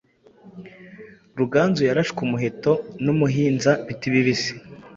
Ruganzu yarashwe umuheto n’umuhinza Bitibibisi